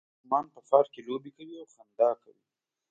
ماشومان په پارک کې لوبې کوي او خندا کوي